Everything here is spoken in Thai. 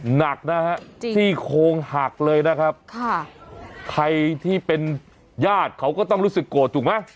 หนักนะฮะซี่โครงหักเลยนะครับค่ะใครที่เป็นญาติเขาก็ต้องรู้สึกโกรธถูกไหม